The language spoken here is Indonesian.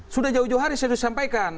sudah jauh jauh hari saya sudah sampaikan